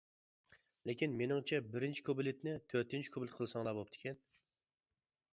لېكىن مېنىڭچە بىرىنچى كۇپلېتنى تۆتىنچى كۇپلېت قىلساڭلا بوپتىكەن.